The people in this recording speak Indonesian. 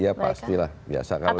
iya pastilah biasa kalau jurubicara